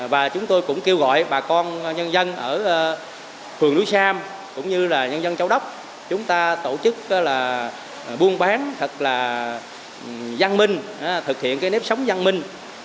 và chúng tôi cũng kêu gọi bà con nhân dân ở phường núi sam cũng như là nhân dân châu đốc chúng ta tổ chức là buôn bán thật là văn minh thực hiện cái nếp sống văn minh